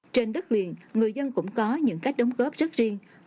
trên đất liền người dân cũng có những cách đóng góp rất riêng